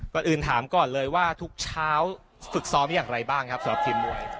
ก่อนอื่นถามก่อนเลยว่าทุกเช้าฝึกซ้อมอย่างไรบ้างครับสำหรับทีมมวย